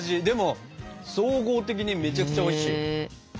でも総合的にめちゃくちゃおいしい。